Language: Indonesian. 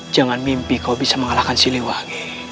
jangan mimpi kau bisa mengalahkan si liwangi